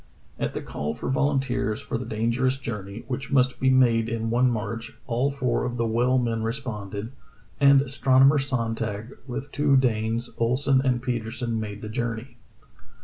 At the call for volunteers for the dangerous journey, which must be made in one march, all four of the well men responded, and astronomer Sonntag, with two Danes, Ohlsen and Petersen, made the journey.